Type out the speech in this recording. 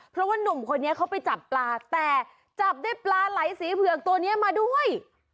เพราะว่านุ่มคนนี้เขาไปจับปลาแต่จับได้ปลาไหลสีเผือกตัวนี้มาด้วย